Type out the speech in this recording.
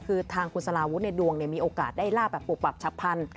คือทางคุณสลาวุฒิในดวงมีโอกาสได้ลาบแบบปุบปับฉับพันธุ